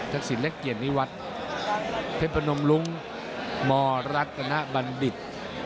ทักษิณแรกเกียรตินิวัตรเพ็บประนมรุงมรัฐนาบัณฑิษฐ์